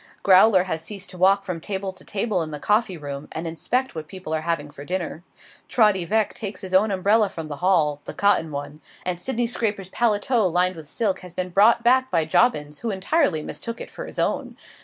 Growler has ceased to walk from table to table in the coffee room, and inspect what people are having for dinner. Trotty Veck takes his own umbrella from the hall the cotton one; and Sydney Scraper's paletot lined with silk has been brought back by Jobbins, who entirely mistook it for his own.